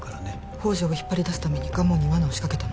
宝条を引っ張り出すために蒲生に罠を仕掛けたの？